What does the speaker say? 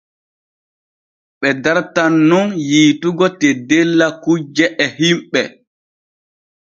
Ɓe dartan nun yiitugo teddella kujje e himɓe.